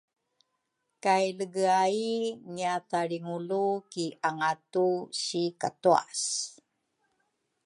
kay Legeay ngiathalrilungu ki angatu si katuase.